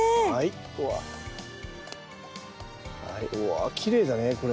あきれいだねこれ。